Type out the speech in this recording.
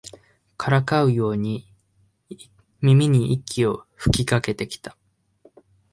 からかうように耳に息を吹きかけてきた